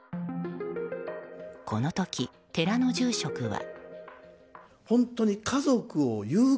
この時、寺の住職は。